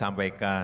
saya sudah pelewati